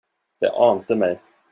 Det ante mig.